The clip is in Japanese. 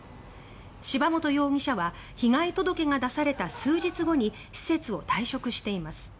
柴本容疑者は被害届が出された数日後に施設を退職しています。